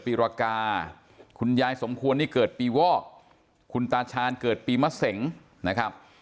ปีรกาคุณยายสมควรนี่เกิดปีวอกคุณตาชาญเกิดปีมะเสงนะครับ